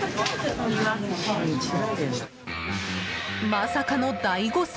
まさかの大誤算。